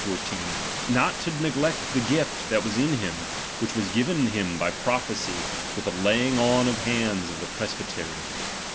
14) Not to neglect the gift that was in him, which was giren him by prophecy with the laying on of the hands of tie presbytery.